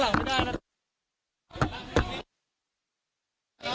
สามสอง